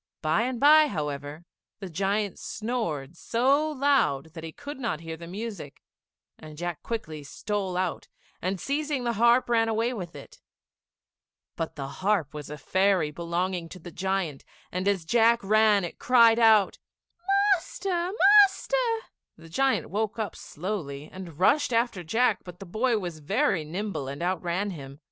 [Illustration: JACK TAKES THE TALKING HARP.] By and by, however, the giant snored so loud that he could not hear the music; and Jack quickly stole out, and seizing the harp, ran away with it. But the harp was a fairy belonging to the giant, and as Jack ran, it cried out, "Master! Master!" The giant woke up slowly and rushed after Jack, but the boy was very nimble and outran him.